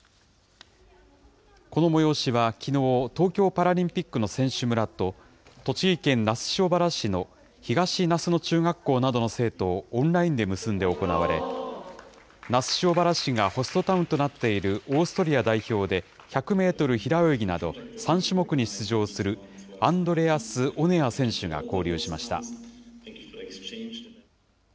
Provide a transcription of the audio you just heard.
この催しはきのう、東京パラリンピックの選手村と、栃木県那須塩原市の東那須野中学校などの生徒をオンラインで結んで行われ、那須塩原市がホストタウンとなっているオーストリア代表で１００メートル平泳ぎなど３種目に出場する、アンドレアス・オネア選手が交流しました。